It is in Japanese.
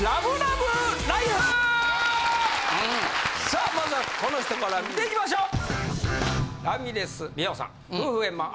さあまずはこの人から見ていきましょう！